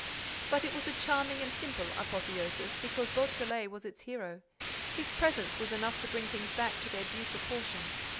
But it was a charming and simple apotheosis, because Beautrelet was its hero. His presence was enough to bring things back to their due proportion.